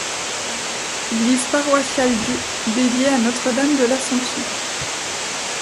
Église paroissiale du dédiée à Notre Dame de l'Assomption.